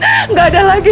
enggak ada lagi